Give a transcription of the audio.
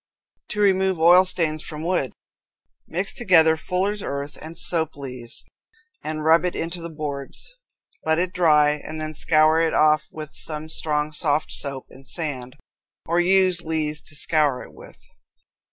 To Remove Oil Stains from Wood. Mix together fuller's earth and soap lees, and rub it into the boards. Let it dry and then scour it off with some strong soft soap and sand, or use lees to scour it with.